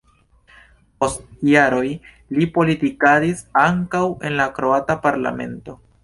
Post jaroj li politikadis ankaŭ en la kroata parlamento.